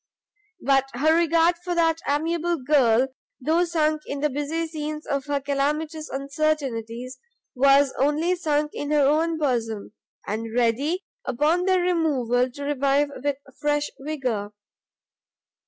But her regard for that amiable girl, though sunk in the busy scenes of her calamitous uncertainties, was only sunk in her own bosom, and ready, upon their removal, to revive with fresh vigour.